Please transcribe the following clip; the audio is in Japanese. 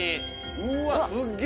うわっ、すげえ！」